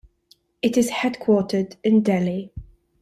It is headquartered in Delhi.